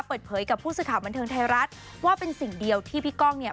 เปิดเผยกับผู้สื่อข่าวบันเทิงไทยรัฐว่าเป็นสิ่งเดียวที่พี่ก้องเนี่ย